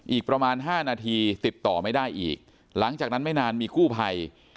อีกประมาณ๕นาทีติดต่อไม่ได้อีกหลังจากนั้นไม่นานมีกู้ภัย